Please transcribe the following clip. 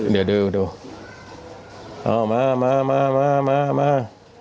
เดี๋ยวดูมา